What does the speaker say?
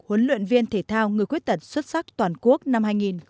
huấn luyện viên thể thao người khuyết tật xuất sắc toàn quốc năm hai nghìn một mươi tám